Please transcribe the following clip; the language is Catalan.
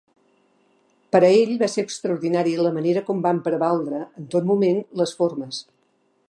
Per a ell va ser extraordinari la manera com van prevaldre, en tot moment, les formes.